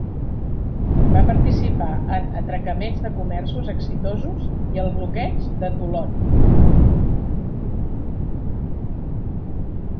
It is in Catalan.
Va participar en atracaments de comerços exitosos i al bloqueig de Toulon.